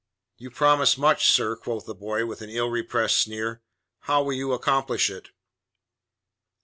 "You promise much, sir," quoth the boy, with an illrepressed sneer. "How will you accomplish it?"